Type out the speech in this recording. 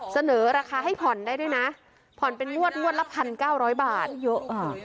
เสนอราคาให้ผ่อนได้ด้วยนะผ่อนเป็นงวดงวดละพันเก้าร้อยบาทเยอะอ่า